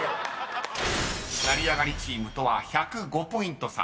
［成り上がりチームとは１０５ポイント差］